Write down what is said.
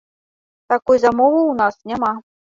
Такой замовы ў нас няма.